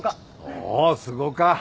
おおすごか！